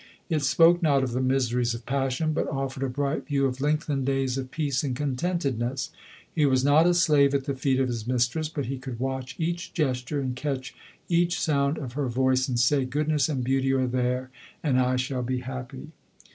It spoke not of the miseries of passion, but offered a bright view of lengthened days of peace and contented ness. He was not a slave at the feet of his mistress, but he could watch each gesture and catch each sound of her voice, and say, goodness and beauty are there, and I shall be happy.